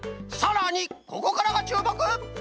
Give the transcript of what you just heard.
さらにここからがちゅうもく！